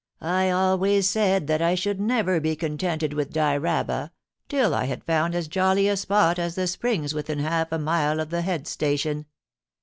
* I always said that I should never be contented with Dyraaba till I had found as jolly a spot as the Springs within half a mile of the head station.